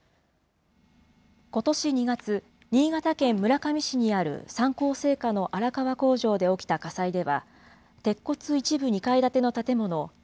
ことし２月、新潟県村上市にある三幸製菓の荒川工場で起きた火災では、鉄骨一部２階建ての建物８８００